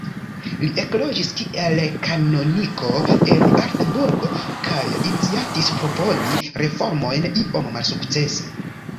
Li ekloĝis kiel kanoniko en Altenburg, kaj iniciatis proponi reformojn, iom malsukcese.